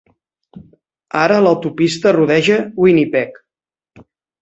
Ara l'autopista rodeja Winnipeg.